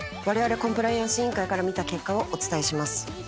われわれコンプライアンス委員会から見た結果をお伝えします。